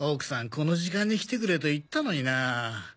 この時間に来てくれと言ったのになぁ。